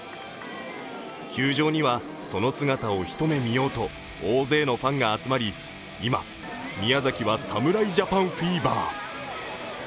球場には、その姿を一目見ようと大勢のファンが集まり今、宮崎は侍ジャパンフィーバー。